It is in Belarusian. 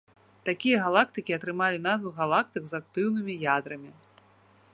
Такія галактыкі атрымалі назву галактык з актыўнымі ядрамі.